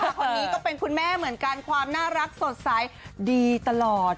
คนนี้ก็เป็นคุณแม่เหมือนกันความน่ารักสดใสดีตลอด